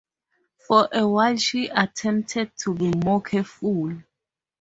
For a while she attempted to be more careful.